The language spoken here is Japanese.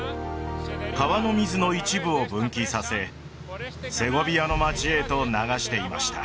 川の水の一部を分岐させセゴビアの街へと流していました